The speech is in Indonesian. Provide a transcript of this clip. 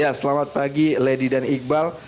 ya selamat pagi lady dan iqbal